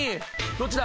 どっちだ？